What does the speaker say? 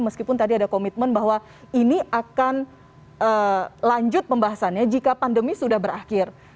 meskipun tadi ada komitmen bahwa ini akan lanjut pembahasannya jika pandemi sudah berakhir